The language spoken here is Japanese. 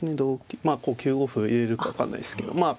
まあこう９五歩入れるか分かんないですけどまあ